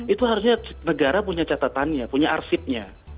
itu harusnya negara punya catatannya punya arsipnya